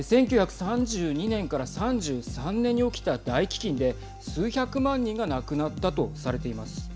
１９３２年から３３年に起きた大飢きんで数百万人が亡くなったとされています。